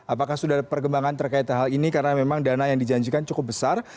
apakah sudah ada perkembangan terkait hal ini karena memang dana yang dijanjikan cukup besar